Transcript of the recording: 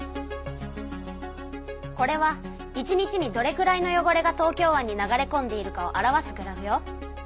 これは１日にどれくらいの汚れが東京湾に流れこんでいるかを表すグラフよ。